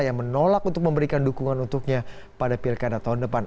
yang menolak untuk memberikan dukungan untuknya pada pilkada tahun depan